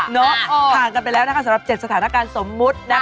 หนูหางกันไปแล้วใน๗สถานการณ์สมมุติ